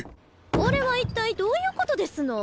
これは一体どういうことですの？